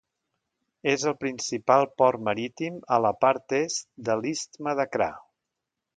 És el principal port marítim a la part est de l'istme de Kra.